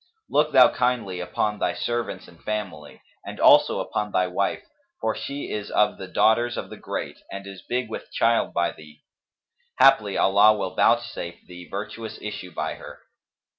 Look thou kindly upon thy servants and family, and also upon thy wife, for she is of the daughters of the great and is big with child by thee; haply Allah will vouchsafe thee virtuous issue by her."